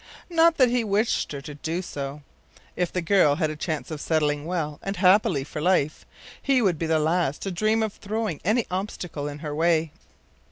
Not that he wished her to do so. If the girl had a chance of settling well and happily for life, he would be the last to dream of throwing any obstacle in her way.